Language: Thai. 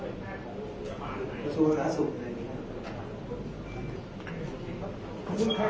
เกี่ยวกับอัธิบาลมองทัศน์บอกว่าชอบอันตรีการหมดแล้ว